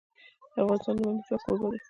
افغانستان د لمریز ځواک کوربه دی.